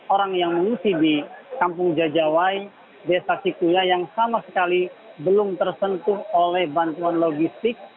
orang yang mengungsi di kampung jajawai desa sikuya yang sama sekali belum tersentuh oleh bantuan logistik